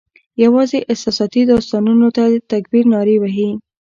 یوازي احساساتي داستانونو ته د تکبیر نارې وهي